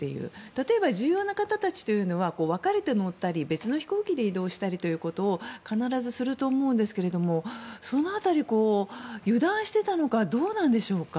例えば、重要な方たちは分かれて乗ったり、別の飛行機で移動したりということを必ずすると思うんですけれどもその辺り、油断していたのかどうなんでしょうか？